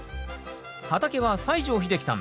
畑は西城秀樹さん